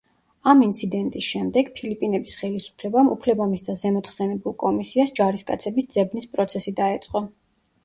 ამ ინციდენტის შემდეგ ფილიპინების ხელისუფლებამ უფლება მისცა ზემოთხსენებულ კომისიას ჯარისკაცების ძებნის პროცესი დაეწყო.